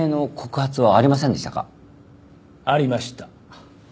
ありました。